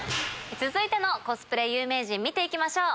続いてのコスプレ有名人見て行きましょう。